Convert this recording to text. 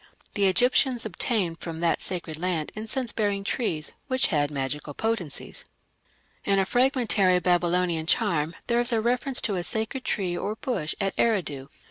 The Egyptians obtained from that sacred land incense bearing trees which had magical potency. In a fragmentary Babylonian charm there is a reference to a sacred tree or bush at Eridu.